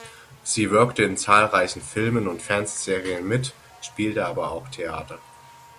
Sie wirkte in zahlreichen Filmen und Fernsehserien mit, spielt aber auch Theater.